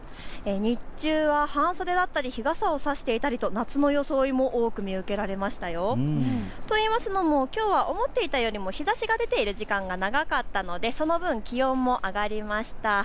日中は半袖だったり日傘を差していたりと夏の装いも多く見受けられましたよ。といいますのも、きょうは思っていたよりも日ざしが出ている時間が長かったのでその分、気温も上がりました。